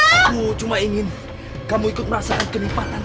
aku cuma ingin kamu ikut merasakan kenipatan ini